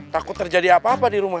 takut terjadi apa apa di rumah